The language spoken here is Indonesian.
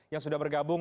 yang sudah bergabung